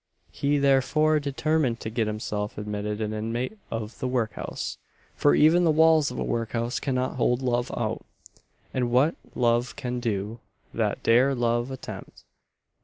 He therefore determined to get himself admitted an inmate of the workhouse for even the walls of a workhouse cannot hold love out; "and what love can do, that dare love attempt."